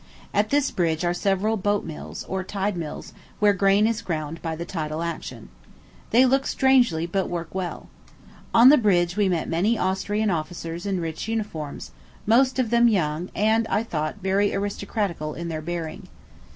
At this bridge are several boat mills, or tide mills, where grain is ground by the tidal action. They look strangely, but work well. On the bridge we met many Austrian officers in rich uniforms, most of them young, and, I thought, very aristocratical in their bearing.